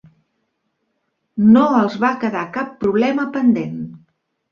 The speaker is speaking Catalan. No els va quedar cap problema pendent.